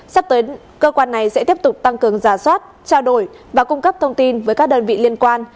sắp tới cơ quan này sẽ tiếp tục tăng cường giả soát trao đổi và cung cấp thông tin với các đơn vị liên quan